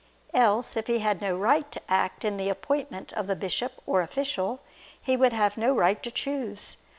Else, if he had no right to act in the appointment of the bishop or official, he would have no right to choose.